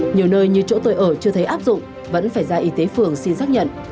nhiều nơi như chỗ tôi ở chưa thấy áp dụng vẫn phải ra y tế phường xin xác nhận